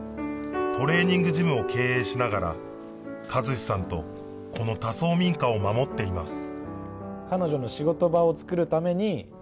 トレーニングジムを経営しながら一志さんとこの多層民家を守っています